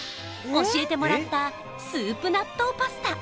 教えてもらったスープ納豆パスタ